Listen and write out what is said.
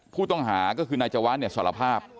ผู้ต้องหาก็คือนายจวะเนี่ยสารภาพ